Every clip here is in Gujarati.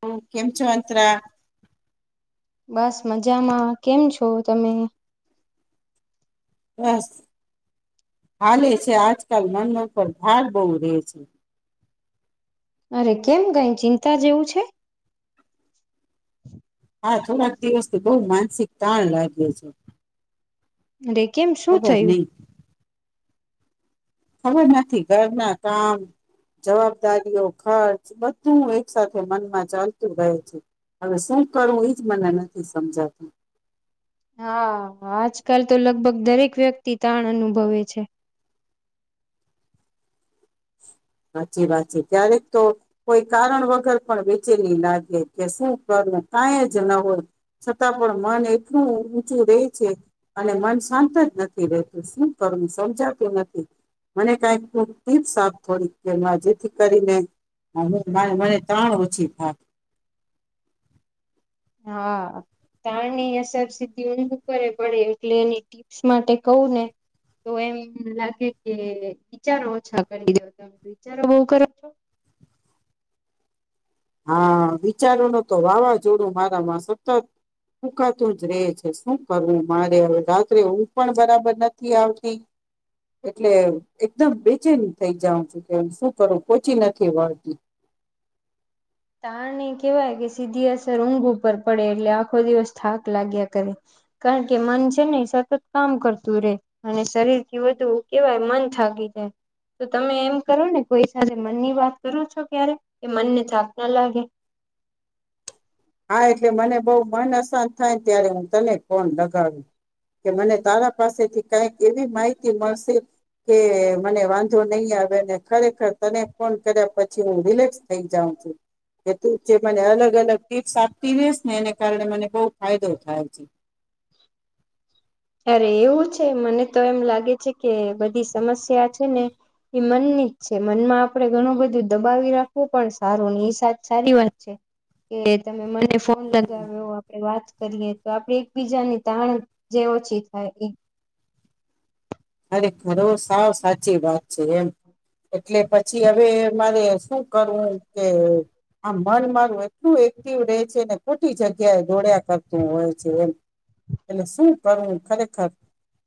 હમ કેમ છ અંત્ર બસ મજામાં કેમ છો તમે? બસ હાલે છે આજકાલ મનમાં ઉપ ભાર બહુ રહે છે. અરે કેમ કઈ ચિંતા જેવું છે. હા થોડાક દિવસથી બઉુ માનસિક તાણ લાગે છે. અરે કેમ શું ખબર થયું. નહી ખબર નથી ઘરના કામ જવાબદારીઓ ખર્ચ બધું એક સાથે મનમાં ચાલતું ગય છે હવે શું કરું એજ મને નથી સમજાતું. હા આજકાલ તો લગભગ દરેક વ્યક્તિ તાણ અનુભવે છે. સાચી વાત છે ક્યારેક તો કોઈ કારણ વગર પણ વેચેની લાગે કે શું કરવું કાઈ જ ન હોય છતાં પણ મન એટલું ઊંચું રે છે અને મન શાંત જ નથી રહેતું શું કરવું સમજાતું નથી મને કઈક થોડીક જેથી કરીને મને ત્રણ રુચિ થાય. હા તણ ની અસર સીધી ઊંઘું કરે પડે એટલે એની ટીપ્સ માટે કવું ને તો એમ લાગે કે વિચારો ઓછા કરી દો તમે વિચારો બહ કરો છો. હા વિચારો ન તો વાવાઝોડું મારામાં સતત ફૂકાતું જ રે છે શું કરવું મારે હવે રાત્રે હું પણ બરાબર નથી આવતી એટલે એકદમ બેચેની થઈ જાઉં છું કે શું કરું પોચી નથી વળતી. તારને કેહેવાય કે સીધી અસર ઊંઘ ઉપર પડે એટલે આખો દિવસ થાક લાગ્યા કરે. કારણ કે મન છે ને એ સતત કામ કરતું રે અને શરીર થી વધુ કેહેવાય મન થાકી જાય તો તમે એમ કરો ને કોઈ સાથે મનની વાત કરો છો ક્યારે એ મનને થાક એ લાગે. હા એટલે મને બવ મન અસાન થાયને ત્યારે હું તને ફોન લગાવ. કે મને તારા પાસેથી કઈક એવી માહિતી મળશે કે મને વાંધો નહી આવેને ખરેખર તને ફોન કર્યા પછી હું રિલેક્સ થઈ જાઉં છું. હેતું છે. મને અલગ અલગ ટીપ્સ આપતી રેસ ને એને કારણે મને બહુ ફાયદો હાજી. અત્યારે એવું છે મને તો એમ લાગે છે કે બધી સમસ્યા છે ને એ મનની જ છે. મનમાં આપડે ઘણું બધું દબાવી રાખવું પણ સારું એ સાજ સારી વાત છે કે તમે મને ફોન લગાવ્યો, આપે વાત કરીએ. તો આપડે એકબીજાની તાણ જેવ છી થાય એ ખરો સાવ સાચી વાત છે એમ. એટલે પછી હવે મારે શુ કરું કે આમ મન મારું એટલું એક્ટિવ રહે છેને ખોટી જગ્યાએ દોડ્યા કરતું હોય છે એમ. એટલે શું કરવું ખરેખર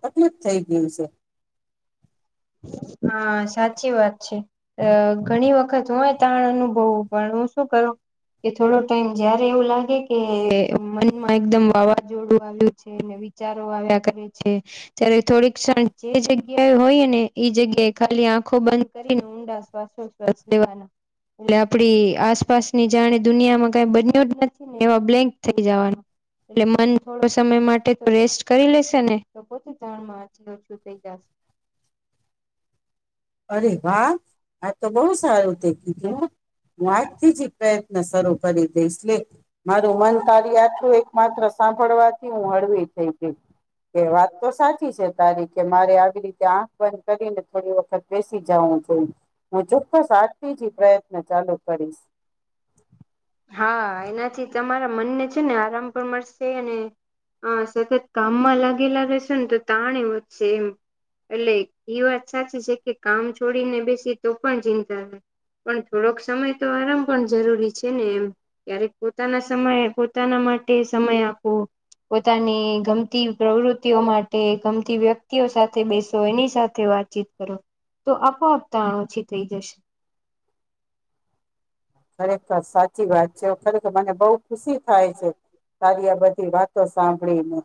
તકલીફ થઈ ગઈ છે. હા સાચી વાત છે. અ ઘણી વખત હોય તાણ અનુભવવું પણ હું શું કરું કે થોડો ટાઈમ જયારે એવું લાગે કે મનમાં એકદમ વાવાઝોડું આવ્યું છે, વિચારો આવ્યા કરે છે ત્યારે થોડીક ક્ષણ જે જગ્યાએ હોઈ ને એ જગ્યાએ ખાલી આંખો બંધ કરીને ઊંડા શ્વાસો શ્વાસ લેવાના એટલે આપડી આસપાસની જાણી દુનિયામાં કઈ બન્યો જ નથી ને એવા બ્લેન્ક થઈ જવાનું એટલે મન થોડો સમય માટે તો રેસ્ટ કરી લેશે ને તો પોતે જાણ ઓછું થઈ જાશે. અરે વાહ, આ તો બહુ સારું તે કીધું. હું વાટ થી જી શરૂ કરી દઈશલે. મારું મન તું એક માત્ર સાંભળવાથી હું હળવી થઈ ગઈ. એ વાત તો સાચી છે. તારી કે મારે આવી રીતે આંખ બંધ કરીને થોડી વખત બેસી જવું જોઈ. હું ચોક્કસ આજથી જ પ્રયત્ન ચાલુ કરીશ. હા એનાથી તમારા મનને છે ને આરામ પણ મળશે અને અ સતત કામમાં લાગેલા રહેશેને તો તાણે વધશે એમ. એટલે એ વાત સાચી છે કે કામ છોડીને બેસી તો પણ ચિંતા રહે પણ થોડોક સમય તો આરામ પણ જરૂરી છે. છે ને એમ ક્યારેક પોતાના સમય પોતાના માટે સમય આપો. પોતાની ગમતી પ્રવૃત્તિઓ માટે ગમતી વ્યક્તિઓ સાથે બેસો એની સાથે વાતચીત કરો. તો આપોઆપ તાણ ઓછી થઈ જશે. ખરેખર સાચી વાત છે. ખરેખર મને બહુ ખુશી થાય છે તારી આ બધી વાતો સાંભળીને.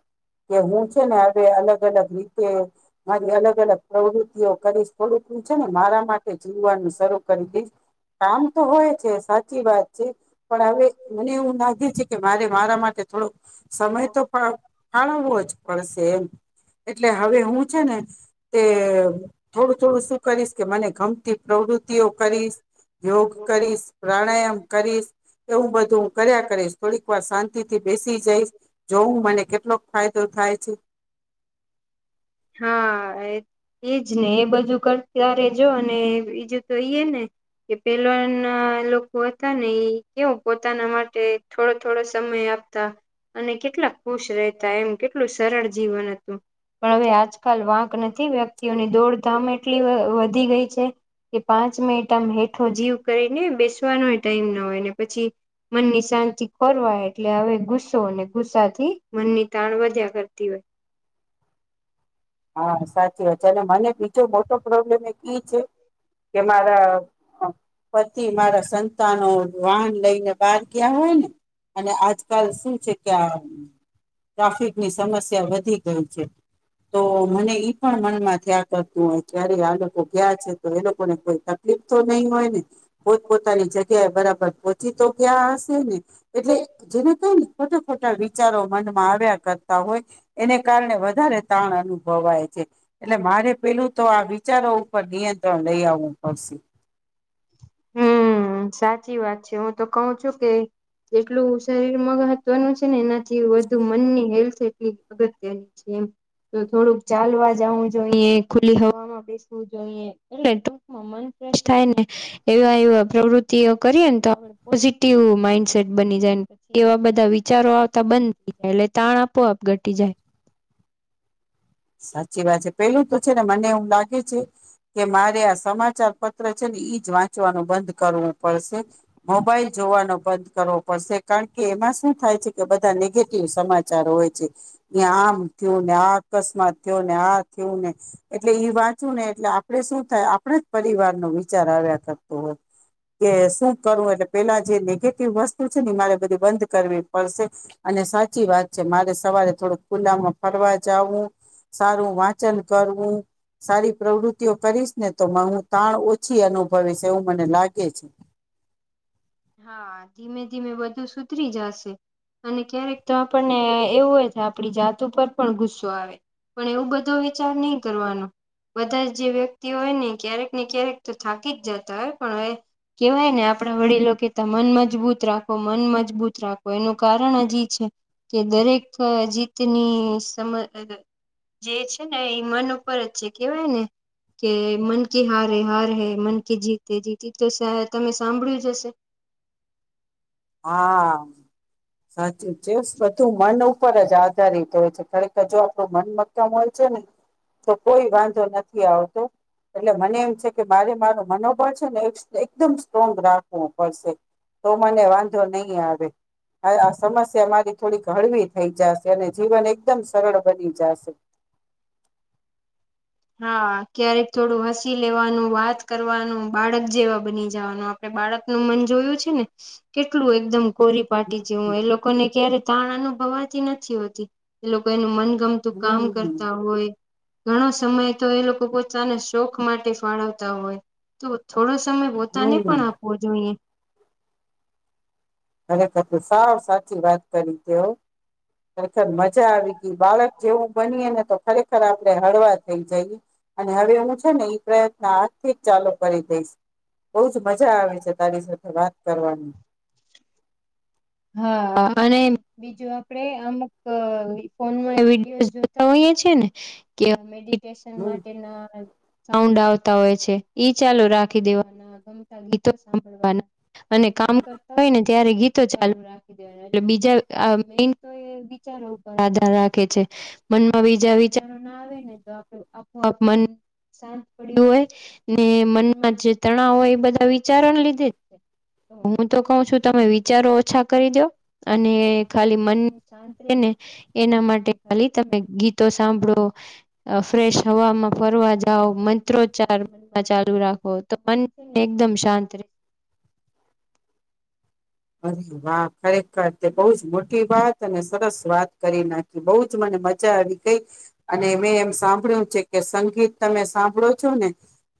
કે હું છે ને હવે અલગ અલગ રી [unintelligible] મારી અલગ અલગ પ્રવૃત્તિઓ કરીશ થોડુંકું છે ને મારા માટે જીવવાનું શરૂ કરી દઈશ. કામ તો હોય સાચી વાત છે પણ હવે મને એવું લાગે છે કે મારે મારા માટે થોડુંક સમય તો ફાળવવો જ પડશે એમ. એટલે હવે હું છે ને તે થોડું થોડું શું કરીશ કે મને ગમ તી પ્રવૃતિઓ કરીશ, યોગ કરીશ પ્રાણાયામ કરીશ એવું બધું હું કર્યા કરીશ થોડીક વાર શાંતિ થી બેસી જઈશ જોવું મને કેટલોક ફાય થાય છે. હા એજ ને એ બધું કર ત્યારે જો અને બીજું તો એઈ ને કે પેલા ના લોકો હતા ને એ કેવ પોતાના માટે થોડો થોડો સમય આપતા અને કેટલા ખુશ રહેતા એમ કેટલું સરળ જીવન હતું. પણ હવે આજકાલ વાંક નથી વ્યક્તિઓની દોડધામ એટલી વધી ગઈ છે કે પાંચ મિનિટ આમ હેઠો જીવ કરીને બેસવાનો ટાઈમ ના હોય ને પછી મનની શાંતિ ખોરવાય એટલે હવે ગુસ્સોને ગુસ્સાથી મનની તાણ વધ્યા કરતી હોય. હા સાચી વાત છે અને મને બીજો મોટો પ્રોબ્લેમ એ ઈ છે. કે મારા પતિ મારા સંતાનો વાહન લઈને બહાર ગયા હોય ને અને આજકાલ શું છે, કે આ ટ્રાફિક ની સમસ્યા વધી ગઈ છે. તો મને ઈ પણ મનમાં થયા કરતું હોય ત્યારે આ ગયા છે તો એ લોકોને કોઈ તકલીફ તો નહી હોય ને. પોત પોતાની જગ્યાએ બરાબર પહોચી તો ગયા હશે ને? એટલે જેને કઈની ખોટા-ખોટા વિચારો મનમાં આવ્યા હમ કર હોય એને કારણે વધારે તણ અનુભવાય છે, એટલે મારે પેલું તો આ ચારો ઉપર નિયંત્રણ લઈ આવું પડશે. ચી વાત છે હું તો કઉ છું કે જેટલું શરીર મહત્વનું છે ને એનાથી વધુ મનની હેલ્થ એટલી અગત્યની છે એમ, તો થોડુંક ચાલવા જાવું જોઈ ખુલ્લી હવામાં બેસ જોઈએ એટલે ટૂકમાં મન ફ્રેશ થાય ને એવા એવા પ્રવૃતિઓ કરીએ ને તો આપ પોઝિટિવ માઈન્ડસેટ બની જાય, પછી એવા બધા વિચારો આવતા બંધ થઈ જાય એટલે તાણ આપોઆપ ઘટી જાય. સાચી વાત છે પેલું તો છે ને મને એવું લાગે છે કે મારે આ સમાચાર પત્ર છે ને એઈ જ વાંચવાનું બંધ કરવું પડશે, મોબાઈલ જોવાનો બંધ કરવો પડશે કારણ કે એમાં શું થાય છે કે બધા નેગેટિવ સમાચાર હોય છે એયા આમ થયું ને આ અકસ્માત થયો ને આ થયું ને એટલે ઈ વાંચવું ને એટલે આપણે શું થાય આપણે જ પરિવાર નો વિચાર આવ્યા કરતો હોય કે શું કરવું એટલે પેલા જે નેગેટિવ વસ્તુ છે ને મારે બધી બંધ કરવી પડશે, અને સાચી વાત છે મારે સવારે થોડુંક ખુલ્લામાં ફરવા જાવું સારું વાંચન કરવું, સારી પ્રવૃતિઓ કરીશ ને તો હું તાણ ઓછી અનુભવીશ એવું મને લાગે છે. હા ધીમે ધીમે બધું સુધરી જશે અને ક્યારેક તો આપણને એવું હોય કે આપડી જાત ઉપર પણ ગુસ્સો આવે, પણ એવું બધો વિચાર નહી કરવાનો બધા જે વ્યક્તિ હોય ને ક્યારેક ને ક્યારેક તો થાકી જ જતા હોય પણ કહેવાય ને આપણા વડીલો કે મન મજબૂત રાખો મન મજબૂત રાખો એનું કારણ જ ઈ છે કે દરેક જીતની [unintelligible] જે છે ને એ મન ઉપર જ છે કેહેવાય ને કે મન કે હારે હારે હે મન કે જીત જીત, એ તો તમે સાંભળ્યું જ હશે. [unintelligible] હા સાચું છે. બધું મન ઉપર જ આધારિત હોય છે, ખરેખર જો આપણું મન મક્કમ હોય છે ને તો કોઈ વાંધો નથી આવતો એટલે મને એમ છે કે મારે મારો મનોબળ છે ને એકદમ સ્ટ્રોંગ રાખવું પડશે તો મને વા નહી આવે આ સમસ્યા મારી થોડીક હળવી થઈ જાશે અને જીવન એકદમ સરળ બની જાશે. હા ક્યારેક થોડું હસી લેવાનું વાત કરવાનું બાળક જેવા બની જવાનું આપડે બાળકનું મન જોયું છે ને કેટલું એકદમ કોરી પાટી જે હોય. એ લોકોને ક્યારે તાણ અનુભવાતી નથી હોતી, એ લોકો એનું મન ગમતું કામ હમ કરતા હોય. ઘણા સમય તો એ લોકો પોતાને શોખ માટે ફાળવતા હોય, તો થોડો તમે પોતાને હમ પણ આપવો જોઈએ. ખરેખર તેય સાવ સાચી વાત કરી તે હા, ખરેખર મજા આવી ગઈ બાળક જેવું બનીય ને તો ખરેખર આપણેે હળવા થઈ જઈએ અને હવે હું છે ને એ પ્રયત્ન આજથી જ ચાલુ કરી દઈશ બહુ જ મજા આવે છે તારી સાથે વાત કરવાની. હા અને બીજું આપડે અમુક ફોનમાં વિડીયોઝ જોતા હોઈએ છે ને કે [unintelligible] હમ માટે ના [unintelligible] હોય છે, ઈ ચાલુ રાખી દેવાના, ગમતા ગીતો સાંભળવાના અને કામ કરતા હોય ને ત્યારે ગીતો ચાલુ રાખી દેવાના, એટલે બીજા એ મેન તો એ વિચારો ઉપર આધાર રાખે છે, મનમાં બીજા વિચારો ના આવે ને તો આપઆપ મન શાંત પડ્યું હોય ને મનમાં જે તણાવ હોય એ બધા વિચારો ના લીધેજ છે. હું તો કવ છું તમે વિચાર ઓછા કરીદો અને ખાલી મનને શાંત રે ને એના માટે ખાલી તમે ગીતો સાંભળો, ફ્રેશ હવામાં ફરવા જાવ, મંત્રોચ્ચાર મનમાં ચાલુ રાખો, તો મન છે ને એકદમ શાંત રહે. અરે વાહ ખરેખર તે બહુ જ મોટી વાત અને સરસ વાત કરી નાખી બહુજ મને મજા આવી ગઈ અને મેં એમ સાંભળ્યું છે કે સંગીત તમે સાંભળો છો ને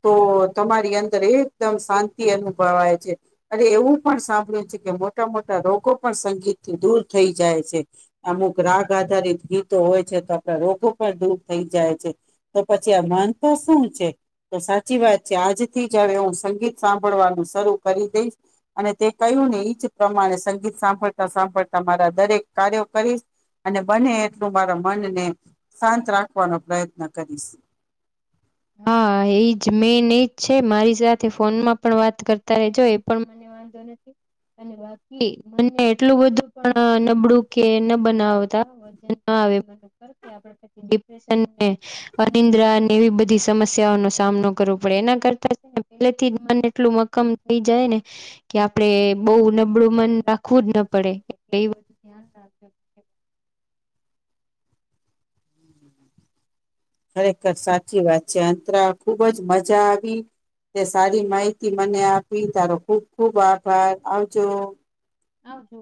તો તમારી અંદર એકદમ શાંતિ અનુભવાય છે અરે એવું પણ સાંભળ્યું છે. મોટા મોટા રોગો પણ સંગીત થી દૂર થઈ જાય છે. અમુક રાગ આધારિત ગીતો હોય છે, તો આપણા રોગો પણ દૂર થઈ જાય છે, તો પછી આ માનતું શું છે તો સાચી વાત છે, આજથી જ હવે હું સંગીત સાંભળવાનું શરૂ કરી દઈશ અને તે કહ્યું ને એજ પ્રમાણે સંગીત સાંભળતા સાંભળતા મારા દરેક કાર્યો કરીશ અને બને એટલું મારા મનને શાંત રાખવાનો પ્રયત્ન કરીશ. હા, એજ મેન એજ છે, મારી સાથે ફોનમાં પણ વાત કરતા રેજો એ પણ મને વાંધો નથી અને બાકી મને એટલું બધું પણ નબળું કે ન બનાવતા [unintelligible] આવે કે આપડે પછી ડિપ્રેશન ને અનિદ્રા ને એવી બધી સમસ્યાઓ નો સામનો કરવો પડે. એના કરતા ને પહેલેથી જ મન એટલું મક્કમ થઈ જાય, ને કે આપડે બહુ નબળું મન રાખવું જ ન પડે, એટલે એ બધું ધ્યાન રાખજો ખરેખર સાચી વાત છે. અંતરા ખુબજ મજા આવી, તે સારી માહિતી મને આપી, તારો ખુબ ખુબ આભાર, આવજો. આવજો.